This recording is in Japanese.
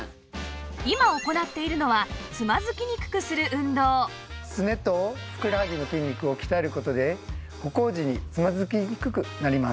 今行っているのはつまずきにくくする運動すねとふくらはぎの筋肉を鍛える事で歩行時につまずきにくくなります。